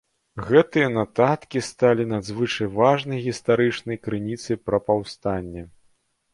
Гэтыя нататкі сталі надзвычай важнай гістарычнай крыніцай пра паўстанне.